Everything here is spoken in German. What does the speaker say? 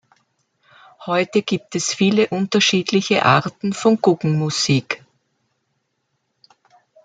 Heute gibt es viele unterschiedliche Arten von Guggenmusik.